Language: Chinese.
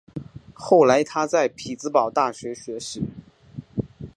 后来他在匹兹堡大学学习。